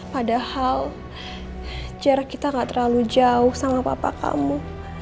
padahal jarak kita gak terlalu jauh sama papa kamu